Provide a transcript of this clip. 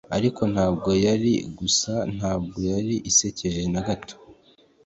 Ariko ntabwo yari gusa ntabwo yari asekeje na gato